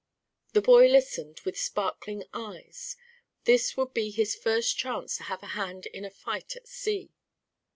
The boy listened with sparkling eyes; this would be his first chance to have a hand in a fight at sea.